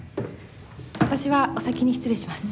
私はお先に失礼します。